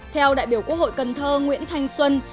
theo đại biểu quốc hội cần thơ nguyễn thanh xuân